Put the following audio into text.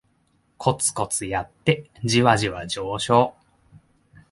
コツコツやってジワジワ上昇